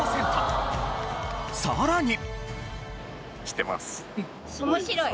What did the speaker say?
さらに。